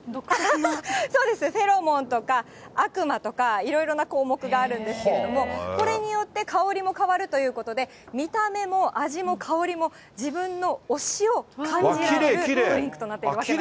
そうですね、フェロモンとか、悪魔とか、いろいろな項目があるんですけれども、これによって、香りも変わるということで、見た目も味も香りも、自分の推しを感じられるドリンクとなっております。